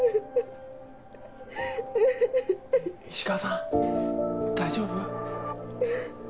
泣き声石川さん大丈夫？